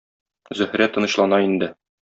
Зөһрә тынычлана инде.